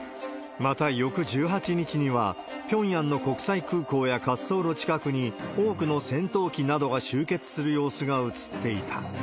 また、翌１８日にはピョンヤンの国際空港や滑走路近くに、多くの戦闘機などが集結する様子が映っていた。